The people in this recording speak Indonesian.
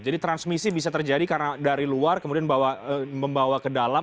jadi transmisi bisa terjadi karena dari luar kemudian membawa ke dalam